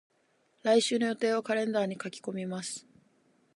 来週の予定をカレンダーに書き込みます。